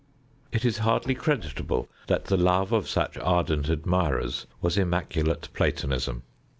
It is hardly credible that the loves of such ardent admirers was immaculate Platonism.